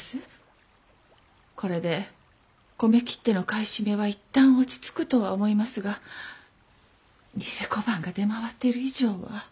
これで米切手の買い占めはいったん落ち着くとは思いますが贋小判が出回っている以上は。